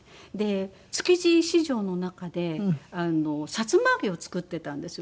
築地市場の中でさつま揚げを作ってたんですよ